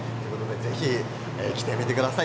ぜひ来てみてください。